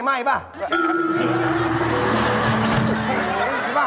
มีความรู้สึกว่า